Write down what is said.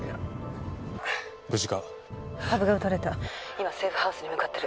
今セーフハウスに向かってる。